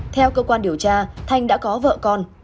theo cơ quan điều tra thanh đã có vợ con